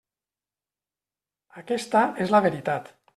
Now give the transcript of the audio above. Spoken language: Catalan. Aquesta és la veritat.